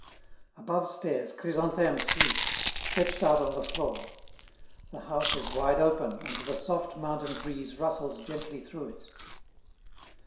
Above stairs, Chrysantheme sleeps, stretched out on the floor; the house is wide open, and the soft mountain breeze rustles gently through it.